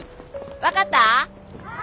分かった？